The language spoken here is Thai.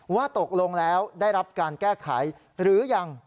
ว่าตกลงแล้วได้รับการแก้ไขหรือยัง